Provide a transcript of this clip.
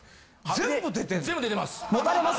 全部出てます。